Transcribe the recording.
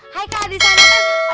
haikal disana kan